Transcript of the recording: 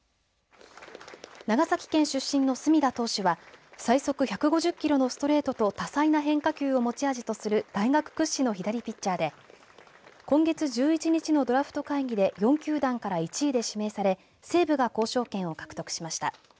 長崎県出身の隅田投手は最速１５０キロのストレートと多彩な変化球を持ち味とする大学屈指の左ピッチャーで今月１１日のドラフト会議で４球団から１位で指名され西武が交渉権を獲得しました。